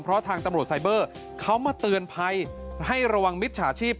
เพราะทางตำรวจไซเบอร์เขามาเตือนภัยให้ระวังมิจฉาชีพ